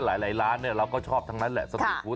หลายร้านเราก็ชอบทั้งนั้นแหละสตรีทฟู้